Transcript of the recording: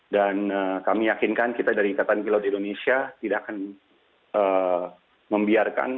dan kami yakinkan kita dari ikatan pilot indonesia tidak akan membiarkan